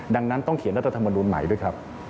ดังนั้นต้องเขียนรัฐธรรมนูลใหม่ด้วยครับ